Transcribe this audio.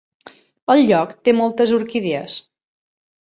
El lloc té moltes orquídies.